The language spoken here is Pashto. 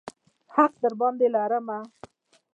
حق درباندې لرمه.